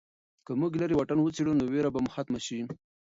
که موږ لیرې واټن وڅېړو نو ویره به مو ختمه شي.